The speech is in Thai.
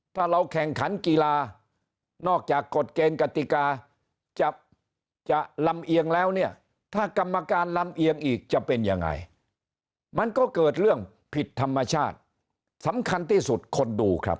ถ้าเราแข่งขันกีฬานอกจากกฎเกณฑ์กติกาจะลำเอียงแล้วเนี่ยถ้ากรรมการลำเอียงอีกจะเป็นยังไงมันก็เกิดเรื่องผิดธรรมชาติสำคัญที่สุดคนดูครับ